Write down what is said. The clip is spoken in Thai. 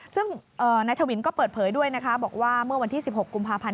ซึ่งนายทวินก็เปิดเผยด้วยนะคะบอกว่าเมื่อวันที่๑๖กุมภาพันธ์